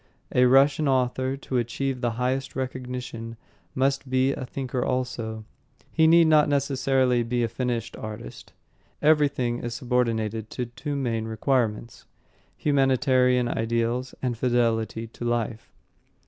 A Russian author, to achieve the highest recognition, must be a thinker also. He need not necessarily be a finished artist. Everything is subordinated to two main requirements humanitarian ideals and fidelity to life.